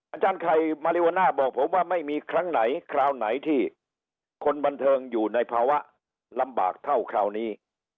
อาจารย์ไข่มาริวาน่าบอกผมว่าไม่มีครั้งไหนคราวไหนที่คนบันเทิงอยู่ในภาวะลำบากเท่าคราวนี้